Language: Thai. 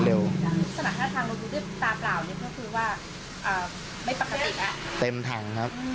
สมัครทางรถรถด้วยเปลี่ยนตากลาวคือว่าไม่ปกติ